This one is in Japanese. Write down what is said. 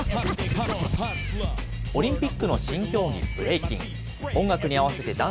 オリンピックの新競技、ブレイキン。